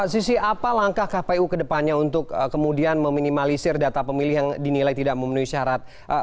sisi apa langkah kpu kedepannya untuk kemudian meminimalisir data pemilih yang dinilai tidak memenuhi syarat